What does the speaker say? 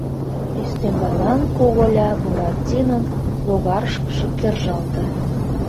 Ӱстембалан куголя Буратинон логарышкыже кержалте.